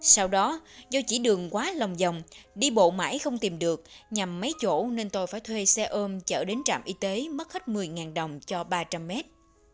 sau đó do chỉ đường quá lòng dòng đi bộ mãi không tìm được nhằm mấy chỗ nên tôi phải thuê xe ôm chở đến trạm y tế mất hết một mươi đồng cho ba trăm linh mét